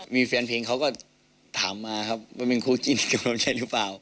มีแฟนเพลงเขาก็ถามมาครับว่าเป็นคู่จิ้นกำลังใจหรือเปล่า